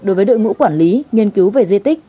đối với đội ngũ quản lý nghiên cứu về di tích